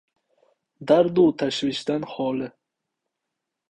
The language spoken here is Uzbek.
Dardu tashvishdan holi